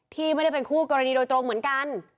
ที่ไม่ได้เป็นคู่กรณีโดยตรงเหมือนกัน